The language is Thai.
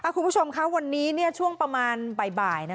คุณผู้ชมค่ะวันนี้ช่วงประมาณบ่าย